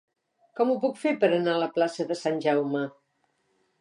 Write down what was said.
Com ho puc fer per anar a la plaça de Sant Jaume?